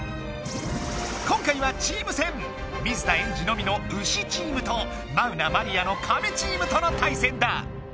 今回はチーム戦！水田エンジのみのウシチームとマウナ・マリアのカメチームとの対戦だ！